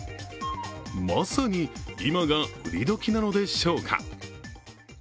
まさに今が売り時なのでしょうか。